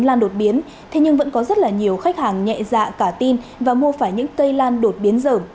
lan đột biến thế nhưng vẫn có rất là nhiều khách hàng nhẹ dạ cả tin và mua phải những cây lan đột biến dởm